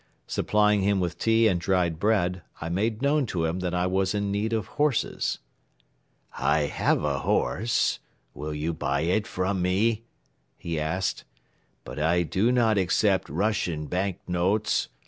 Supplying him with tea and dried bread, I made known to him that I was in need of horses. "I have a horse. Will you buy it from me?" he asked. "But I do not accept Russian bank notes.